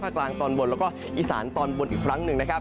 ภาคกลางตอนบนและอีสานตอนบนอีกครั้งหนึ่ง